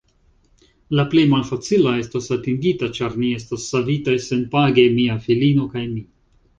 La plej malfacila estas atingita, ĉar ni estas savitaj senpage, mia filino kaj mi.